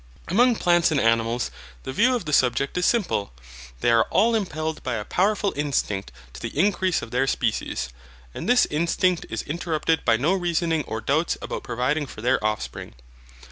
Among plants and animals the view of the subject is simple. They are all impelled by a powerful instinct to the increase of their species, and this instinct is interrupted by no reasoning or doubts about providing for their offspring.